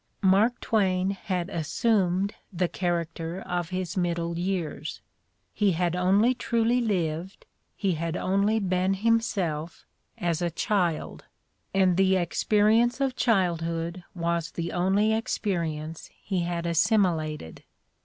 Mark Twain had "assumed" the character of his middle years; he had only truly lived, he had only been him self, as a child, and the experience of childhood was the only experience he had assimilated.